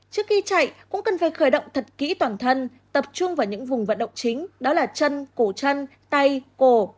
trước khi chạy cũng cần phải khởi động thật kỹ toàn thân tập trung vào những vùng vận động chính đó là chân cổ chân tay cổ